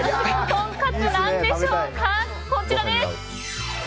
とんかつなんでしょうかこちらです。